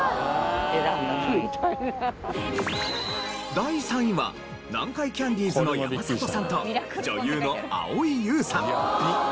第３位は南海キャンディーズの山里さんと女優の蒼井優さん。